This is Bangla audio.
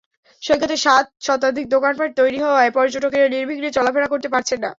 সৈকতে সাত শতাধিক দোকানপাট তৈরি হওয়ায় পর্যটকেরা নির্বিঘ্নে চলাফেরা করতে পারছেন না।